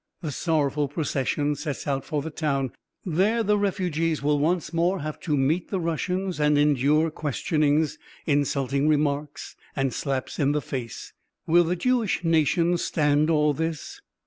The sorrowful procession sets out for the town. There the refugees will once more have to meet the Russians and endure questionings, insulting remarks and slaps in the face.... Will the Jewish nation stand all this?